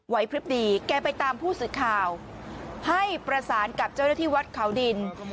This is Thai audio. พลิบดีแกไปตามผู้สื่อข่าวให้ประสานกับเจ้าหน้าที่วัดเขาดิน